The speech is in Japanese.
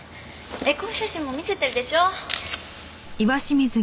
エコー写真も見せてるでしょ？